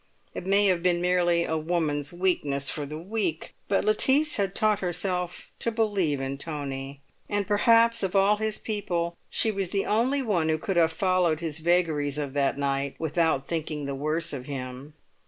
It may have been merely a woman's weakness for the weak, but Lettice had taught herself to believe in Tony. And perhaps of all his people she was the only one who could have followed his vagaries of that night without thinking the worse of him.